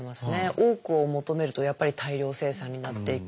多くを求めるとやっぱり大量生産になっていく。